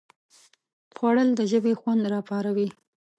خوړل د ژبې خوند راپاروي